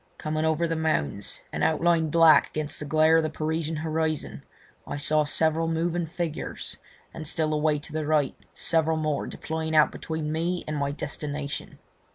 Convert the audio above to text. Coming over the mounds, and outlined black against the glare of the Parisian horizon, I saw several moving figures, and still a way to the right several more deploying out between me and my destination.